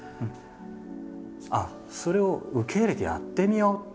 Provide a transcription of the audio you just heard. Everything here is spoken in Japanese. あっそれを受け入れてやってみようって。